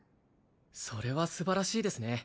それはすばらしいですね